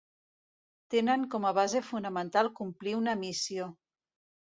Tenen com a base fonamental complir una missió.